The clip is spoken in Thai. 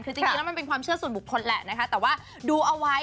คือจริงแล้วมันเป็นความเชื่อส่วนบุคคลแหละนะคะแต่ว่าดูเอาไว้